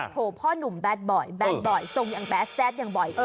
พ่อหนุ่มแบดบ่อยแดดบ่อยทรงอย่างแดดแซดอย่างบ่อย